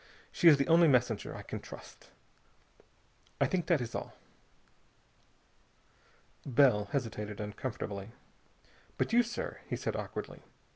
She is the only messenger I can trust. I think that is all." Bell hesitated uncomfortably. "But you, sir," he said awkwardly.